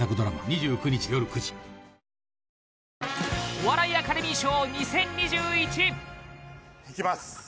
お笑いアカデミー賞２０２１いきます